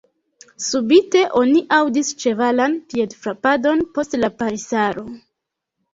Subite oni aŭdis ĉevalan piedfrapadon post la palisaro.